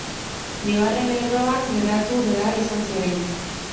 Bigarren lerroan geratu behar izan ziren.